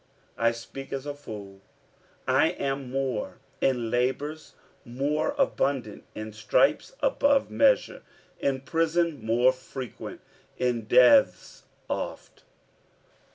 (I speak as a fool) I am more; in labours more abundant, in stripes above measure, in prisons more frequent, in deaths oft.